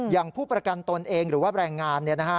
อย่างผู้ประกันตนเองหรือว่าแรงงานเนี่ยนะฮะ